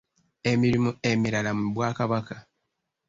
Emirimu emirala mu bwakabaka.